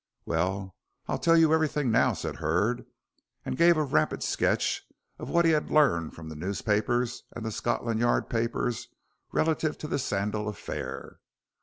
"Well, I'll tell you everything now," said Hurd, and gave a rapid sketch of what he had learned from the newspapers and the Scotland Yard papers relative to the Sandal affair.